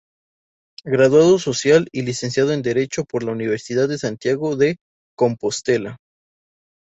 Graduado Social y licenciado en Derecho por la Universidad de Santiago de Compostela.